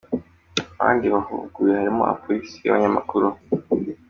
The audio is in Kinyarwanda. Abandi bahuguwe harimo abapolisi, abanyamakuru